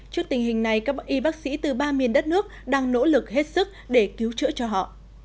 trước tình hình này các y bác sĩ từ ba miền đất nước đang nỗ lực hết sức để cứu chữa cho họ